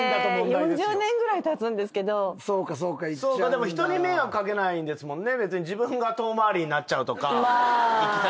でも人に迷惑掛けないんですもんね。